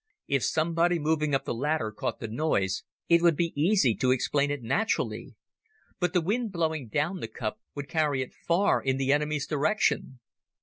If somebody moving up the latter caught the noise, it would be easy to explain it naturally. But the wind blowing down the cup would carry it far in the enemy's direction.